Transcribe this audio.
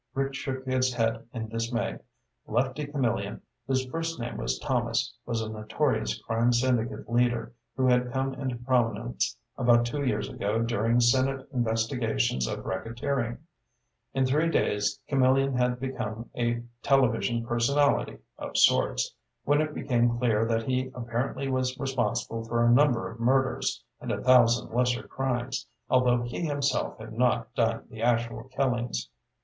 Rick shook his head in dismay. Lefty Camillion, whose first name was Thomas, was a notorious crime syndicate leader who had come into prominence about two years ago during Senate investigations of racketeering. In three days Camillion had become a television personality, of sorts, when it became clear that he apparently was responsible for a number of murders and a thousand lesser crimes, although he himself had not done the actual killings.